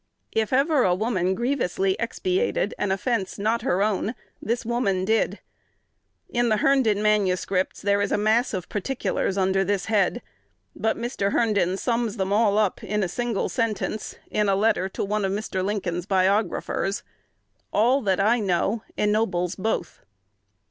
If ever a woman grievously expiated an offence not her own, this woman did. In the Herndon manuscripts, there is a mass of particulars under this head; but Mr. Herndon sums them all up in a single sentence, in a letter to one of Mr. Lincoln's biographers: "All that I know ennobles both."